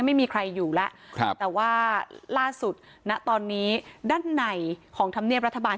ไม่มีใครอยู่แล้วแต่ว่าล่าสุดณตอนนี้ด้านในของธรรมเนียบรัฐบาล